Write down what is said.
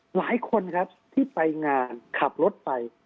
หลายคนครับที่ไปงานขับรถไป